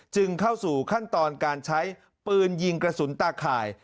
เข้าสู่ขั้นตอนการใช้ปืนยิงกระสุนตาข่าย